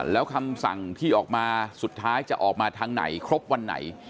แล้วคำสั่งที่ออกมาสุดท้ายจะออกมาทางไหนครบวันไหน